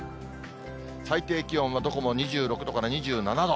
最低気温はどこも２６度から２７度。